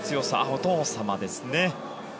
お父様ですね。